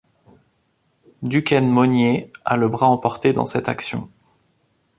Duquesne-Monier a le bras emporté dans cette action.